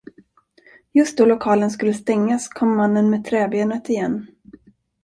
Just då lokalen skulle stängas, kom mannen med träbenet igen.